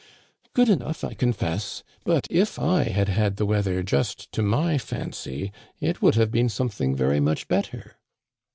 Good enough, I confess ; but if I had had the weather just to my fancy it would have been something very much better.'